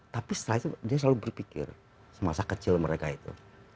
tapi setelah itu dia selalu berpikir semasa kecil mereka itu